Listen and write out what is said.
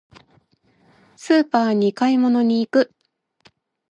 スーパーに買い物に行く。